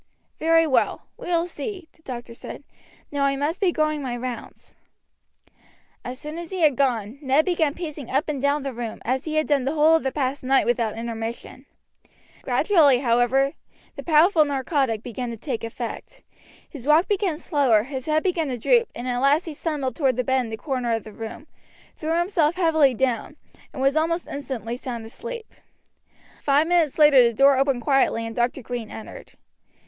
"Very well. We will see," the doctor said. "Now I must be going my rounds." As soon as he had gone Ned began pacing up and down the room, as he had done the whole of the past night without intermission. Gradually, however, the powerful narcotic began to take effect. His walk became slower, his head began to droop, and at last he stumbled toward the bed in the corner of the room, threw himself heavily down, and was almost instantly sound asleep. Five minutes later the door opened quietly and Dr. Green entered.